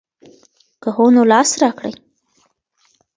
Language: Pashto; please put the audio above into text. که هو نو لاس راکړئ.